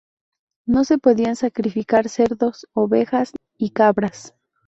No se podían sacrificar cerdos, ovejas y cabras.